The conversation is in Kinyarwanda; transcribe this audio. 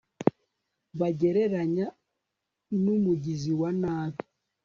bagereranya n'umugizi wa nabi